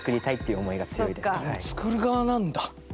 もう作る側なんだ。